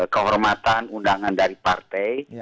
kehormatan undangan dari partai